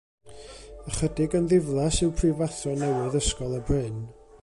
Ychydig yn ddiflas yw prifathro newydd Ysgol y Bryn.